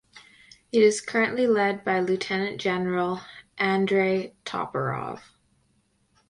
It is currently led by Lieutenant General Andrey Toporov.